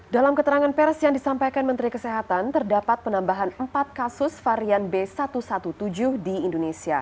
dalam keterangan pers yang disampaikan menteri kesehatan terdapat penambahan empat kasus varian b satu satu tujuh di indonesia